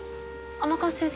甘春先生は？